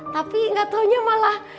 tapi gatau nya malah